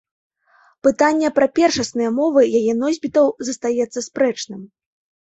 Пытанне пра першасныя мовы яе носьбітаў застаецца спрэчным.